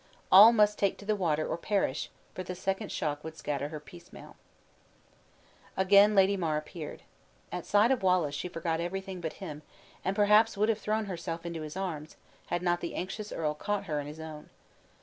All must take to the water or perish, for the second shock would scatter her piecemeal. Cuthon means the mournful sound of waves. Again Lady Mar appeared. At sight of Wallace she forgot everything but him; and perhaps would have thrown herself into his arms, had not the anxious earl caught her in his own.